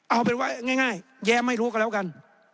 เอาเป็นว่าง่ายแย้ไม่รู้ก็แล้วกัน